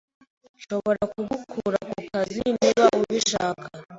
Nshobora kugukura ku kazi niba ubishaka.